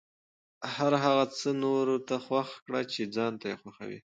هر هغه څه نورو ته خوښ کړه چې ځان ته یې خوښوې.